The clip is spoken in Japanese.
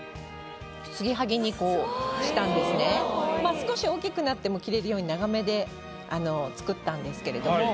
まぁ少し大きくなっても着れるように長めで作ったんですけれども。